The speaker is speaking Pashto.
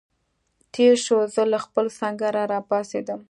تېر شو، زه له خپل سنګره را پاڅېدم.